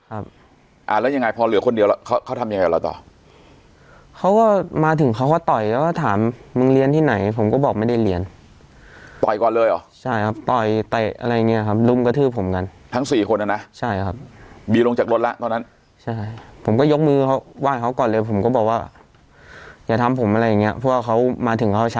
ครับอ่าแล้วยังไงพอเหลือคนเดียวแล้วเขาเขาทำยังไงกับเราต่อเขาก็มาถึงเขาก็ต่อยแล้วก็ถามมึงเรียนที่ไหนผมก็บอกไม่ได้เรียนต่อยก่อนเลยเหรอใช่ครับต่อยเตะอะไรอย่างเงี้ยครับรุมกระทืบผมกันทั้งสี่คนอ่ะนะใช่ครับบีลงจากรถแล้วตอนนั้นใช่ผมก็ยกมือเขาไหว้เขาก่อนเลยผมก็บอกว่าอย่าทำผมอะไรอย่างเงี้เพราะว่าเขามาถึงเขาช